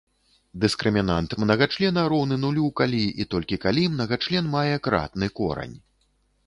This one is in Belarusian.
Дыскрымінант мнагачлена роўны нулю, калі і толькі калі мнагачлен мае кратны корань.